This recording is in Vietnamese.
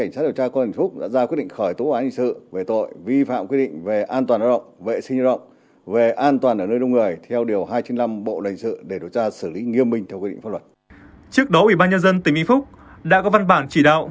trước đó ủy ban nhân dân tỉnh vĩnh phúc đã có văn bản chỉ đạo